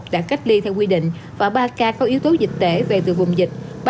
đã cách ly theo quy định và ba ca có yếu tố dịch tễ về từ vùng dịch